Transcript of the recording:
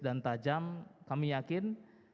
dan tajam kami yakin